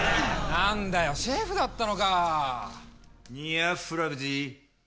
何だよシェフだったのか。